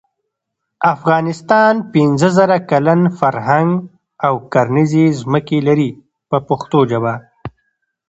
افغانستان پنځه زره کلن فرهنګ او کرنیزې ځمکې لري په پښتو ژبه.